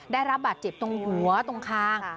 ได้รับบาดเจ็บตรงหัวตรงคาง